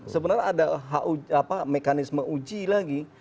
sebenarnya ada mekanisme uji lagi